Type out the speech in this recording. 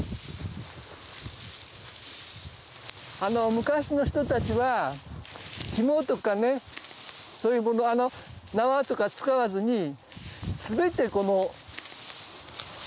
昔の人たちはひもとかねそういうもの縄とか使わずに全てこの。